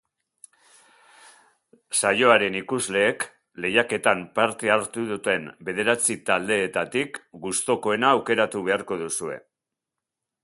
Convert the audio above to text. Saioaren ikusleek lehiaketan parte hartu duten bederatzi taldeetatik gustokoena aukeratu beharko duzue.